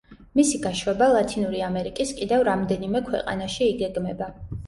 მის გაშვება ლათინური ამერიკის კიდევ რამდენიმე ქვეყანაში იგეგმება.